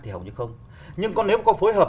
thì hầu như không nhưng nếu có phối hợp